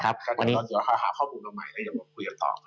ท่านผู้ชมอยากหาข้อมูลใหม่และจะบอกคุยกันต่อ